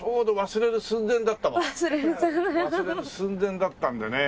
忘れる寸前だったんでね。